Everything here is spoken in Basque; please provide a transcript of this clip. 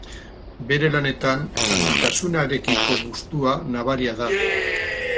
Bere lanetan handitasunarekiko gustua nabaria da.